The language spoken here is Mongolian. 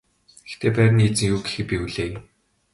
Гэхдээ байрны эзэн юу гэхийг би хүлээе.